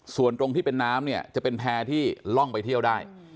ส่วนตรงที่เป็นน้ำเนี่ยจะเป็นแพร่ที่ล่องไปเที่ยวได้